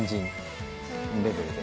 レベルで。